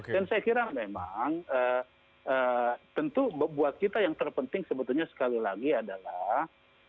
dan saya kira memang tentu buat kita yang terpenting sebetulnya sekali lagi adalah